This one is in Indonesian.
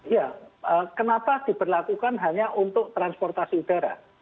ya kenapa diberlakukan hanya untuk transportasi udara